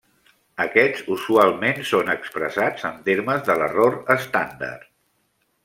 Aquests usualment són expressats en termes de l'error estàndard.